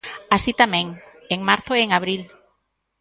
Así tamén, en marzo e en abril.